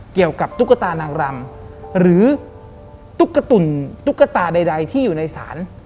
ตุ๊กตานางรำหรือตุ๊กตุ่นตุ๊กตาใดที่อยู่ในศาล